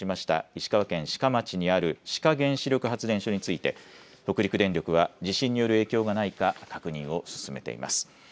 石川県志賀町にある志賀原子力発電所について北陸電力は地震による影響がないか確認を進めています。